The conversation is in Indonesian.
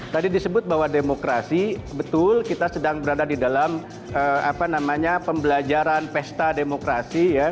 tadi disebut bahwa demokrasi betul kita sedang berada di dalam pembelajaran pesta demokrasi